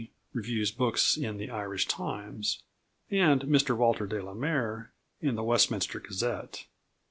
reviews books in The Irish Times, and Mr Walter De la Mare in The Westminster Gazette.